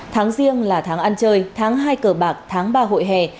tháng riêng là tháng ăn chơi tháng hai cờ bạc tháng ba hội hè